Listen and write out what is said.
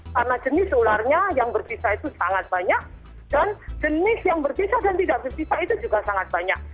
karena jenis ularnya yang berbisa itu sangat banyak dan jenis yang berbisa dan tidak berbisa itu juga sangat banyak